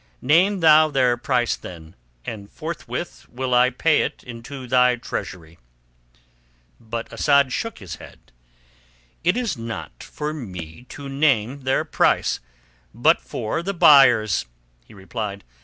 "Name thou their price then, and forthwith will I pay it into thy treasury." But Asad shook his head. "It is not for me to name their price, but for the buyers," he replied.